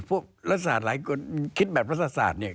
รัฐศาสตร์หลายคนคิดแบบรัฐศาสตร์เนี่ย